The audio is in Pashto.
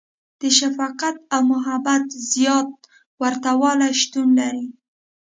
• د شفقت او محبت زیات ورتهوالی شتون لري.